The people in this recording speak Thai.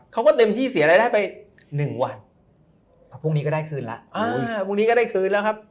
เขาก็เต็มที่เสียรายได้ไป๑วันพรุ่งนี้ก็ได้คืนแล้วพรุ่งนี้ก็ได้คืนแล้วครับ